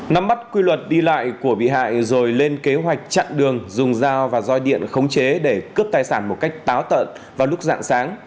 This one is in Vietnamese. nắm bắt quy luật đi lại của bị hại rồi lên kế hoạch chặn đường dùng dao và roi điện khống chế để cướp tài sản một cách táo tận vào lúc dạng sáng